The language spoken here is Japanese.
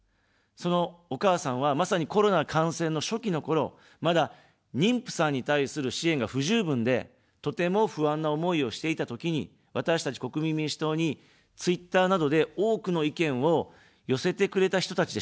そのお母さんは、まさにコロナ感染の初期のころ、まだ妊婦さんに対する支援が不十分で、とても不安な思いをしていたときに、私たち国民民主党にツイッターなどで多くの意見を寄せてくれた人たちでした。